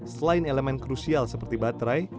selain elemen krusial seperti baterai